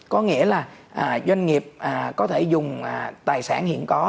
có nghĩa là doanh nghiệp có thể dùng tài sản hiện có